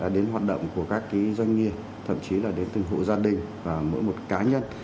đến hoạt động của các doanh nghiệp thậm chí là đến từng hộ gia đình và mỗi một cá nhân